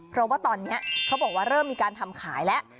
เพราะว่าตอนนี้เขาบอกว่าเริ่มมีการทำขายแล้ว